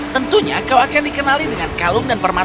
tentunya kau akan dikenali dengan kerajaan leblanc